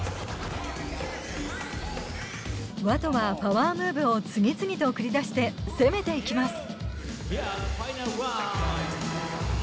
ＷＡＴＯはパワームーブを次々と繰り出して攻めていきます。